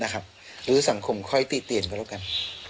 หรือสังคมค่อยตีเตียนก็แล้วกัน